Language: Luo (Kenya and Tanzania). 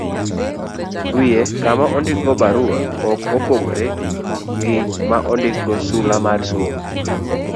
Wiye kama ondikgo barua ok opogore gi ma ondikgo sula mar somo.